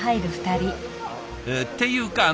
っていうか